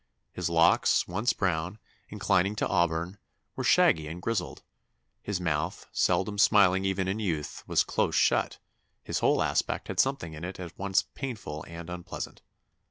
His locks, once brown, inclining to auburn, were shaggy and grizzled; his mouth, seldom smiling even in youth, was close shut; his whole aspect had something in it at once painful and unpleasant."